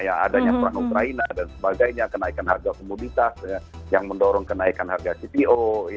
sebenarnya itu diperhitungkan karena keadaan ukraina dan sebagainya kenaikan harga komunitas yang mendorong kenaikan harga cto